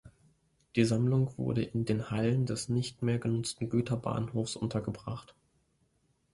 Die Sammlung wurde in den Hallen des nicht mehr genutzten Güterbahnhofs untergebracht.